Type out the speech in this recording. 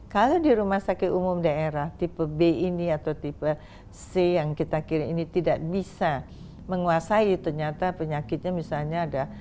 kalau di rumah sakit umum daerah tipe b ini atau tipe c yang kita kirim ini tidak bisa menguasai ternyata penyakitnya misalnya ada